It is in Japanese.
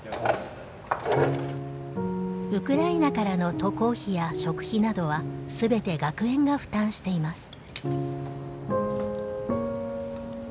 ウクライナからの渡航費や食費などは全て学園が負担しています。